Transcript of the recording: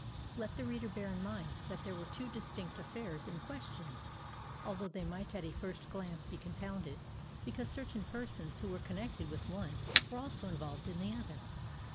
Let the reader bear in mind that there were two distinct affairs in question; although they might at a first glance be confounded, because certain persons who were connected with one were also involved in the other.